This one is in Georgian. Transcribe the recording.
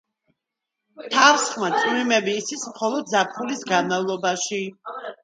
თავსხმა წვიმები იცის მხოლოდ ზაფხულის განმავლობაში.